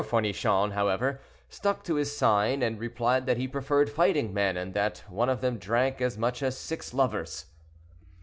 M. Fournichon, however, stuck to his sign, and replied that he preferred fighting men, and that one of them drank as much as six lovers.